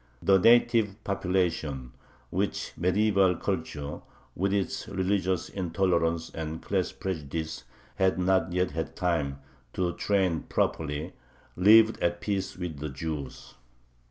The native population, which medieval culture, with its religious intolerance and class prejudice, had not yet had time to "train" properly, lived at peace with the Jews.